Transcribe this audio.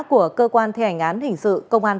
của cơ quan thi hành án hình sự công an